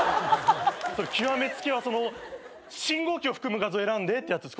それ極め付きは「信号機を含む画像を選んで」ってやつ。